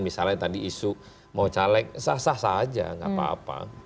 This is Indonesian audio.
misalnya tadi isu mau caleg sah sah saja nggak apa apa